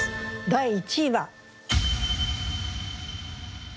第１位は。